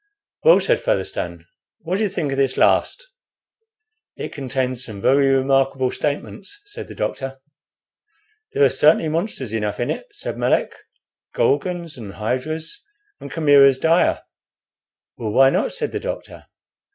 "Well," said Featherstone, "what do you think of this last?" "It contains some very remarkable statements," said the doctor. "There are certainly monsters enough in it," said Melick "'Gorgons, and hydras, and chimeras dire.'" "Well, why not?" said the doctor.